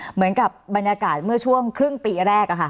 เหมือนกับบรรยากาศเมื่อช่วงครึ่งปีแรก